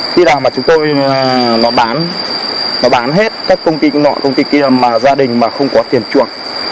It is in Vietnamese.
khi nào mà chúng tôi nó bán hết các công ty nọ công ty kia mà gia đình mà không có tiền chuộc